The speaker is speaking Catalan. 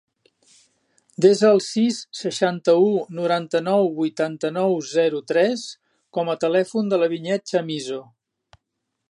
Desa el sis, seixanta-u, noranta-nou, vuitanta-nou, zero, tres com a telèfon de la Vinyet Chamizo.